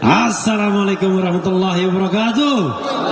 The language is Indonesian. assalamu alaikum warahmatullahi wabarakatuh